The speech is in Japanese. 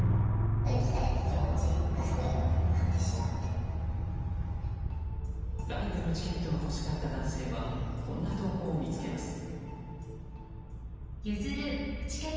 ライブのチケットが欲しかった男性はこんな投稿を見つけます。